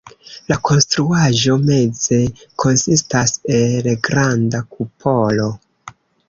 La konstruaĵo meze konsistas el granda kupolo.